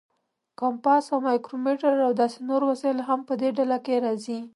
کمپاس او مایکرومیټر او داسې نور وسایل هم په دې ډله کې راځي.